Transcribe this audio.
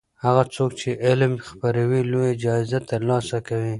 هغه څوک چې علم خپروي لویه جایزه ترلاسه کوي.